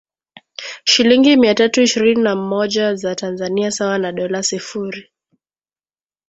shilingi mia tatu ishirini na mmoja za Tanzania sawa na dola sifuri